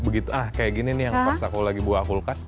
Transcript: begitu ah kayak gini nih yang pas aku lagi buah kulkas